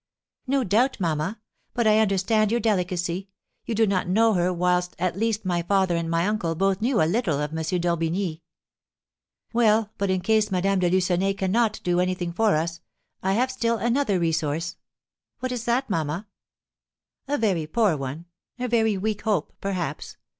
"No doubt, mamma. But I understand your delicacy; you do not know her, whilst, at least, my father and my uncle both knew a little of M. d'Orbigny." "Well, but in case Madame de Lucenay cannot do anything for us, I have still another resource." "What is that, mamma?" "A very poor one, a very weak hope, perhaps.